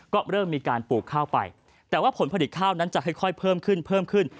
ก็เริ่มมีการปลูกข้าวไปแต่ว่าผลผลิตข้าวนั้นจะค่อยเพิ่มขึ้นเพิ่มขึ้น